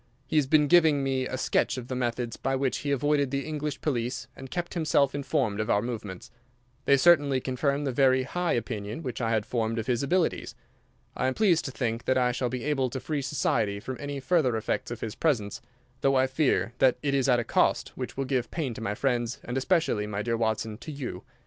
He has been giving me a sketch of the methods by which he avoided the English police and kept himself informed of our movements. They certainly confirm the very high opinion which I had formed of his abilities. I am pleased to think that I shall be able to free society from any further effects of his presence, though I fear that it is at a cost which will give pain to my friends, and especially, my dear Watson, to you.